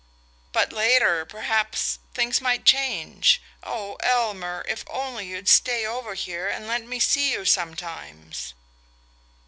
"But later, perhaps ... things might change. Oh, Elmer, if only you'd stay over here and let me see you sometimes!"